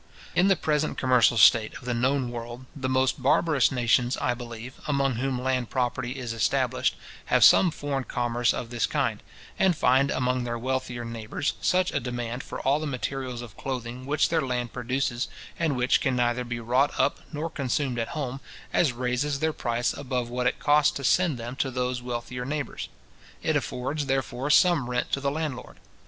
In the present commercial state of the known world, the most barbarous nations, I believe, among whom land property is established, have some foreign commerce of this kind, and find among their wealthier neighbours such a demand for all the materials of clothing, which their land produces, and which can neither be wrought up nor consumed at home, as raises their price above what it costs to send them to those wealthier neighbours. It affords, therefore, some rent to the landlord.